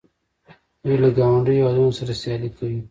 دوی له ګاونډیو هیوادونو سره سیالي کوي.